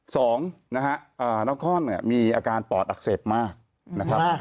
สองนครมีอาการปลอดอักเสบมากนะครับ